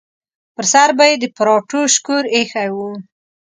پر سر به یې د پراټو شکور ایښی و.